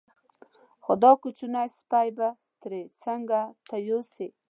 خو دا کوچنی سپی به ترې څنګه ته یوسې.